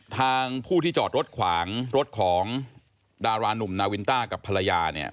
ทางผู้ที่จอดรถขวางรถของดารานุ่มนาวินต้ากับภรรยาเนี่ย